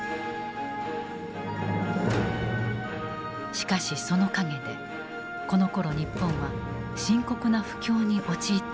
しかしその陰でこのころ日本は深刻な不況に陥っていた。